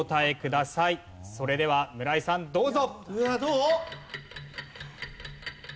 それでは村井さんどうぞ。